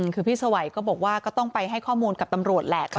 คือพี่สวัยก็บอกว่าก็ต้องไปให้ข้อมูลกับตำรวจแหละ